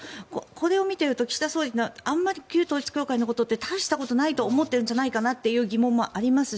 これを見ていると、岸田総理はあまり旧統一教会のことって大したことないと思っているんじゃないかなという疑問もあります